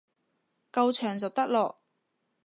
夠長就得囉